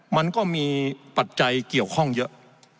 มันก็มีปัจจัยเกี่ยวข้องเยอะ